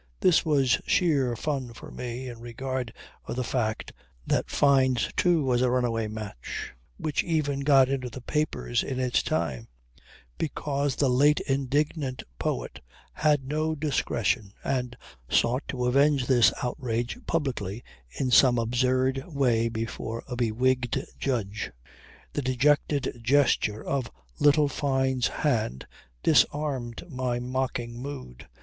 This was sheer fun for me in regard of the fact that Fyne's too was a runaway match, which even got into the papers in its time, because the late indignant poet had no discretion and sought to avenge this outrage publicly in some absurd way before a bewigged judge. The dejected gesture of little Fyne's hand disarmed my mocking mood.